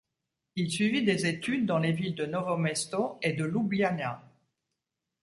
Il suivit des études dans les villes de Novo Mesto et de Ljubljana.